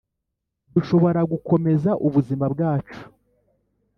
dushobora gukomeza ubuzima bwacu